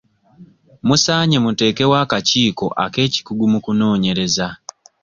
Musaanye muteekewo akakiiko ak'ekikugu mu kunoonyereza.